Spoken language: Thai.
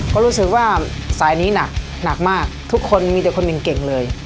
ก็รู้สึกว่าสายนี้หนักหนักมากทุกคนมีแต่คนหนึ่งเก่งเลย